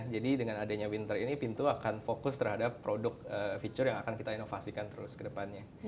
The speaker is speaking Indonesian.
jadi dengan adanya winter ini pintu akan fokus terhadap produk feature yang akan kita inovasikan terus ke depannya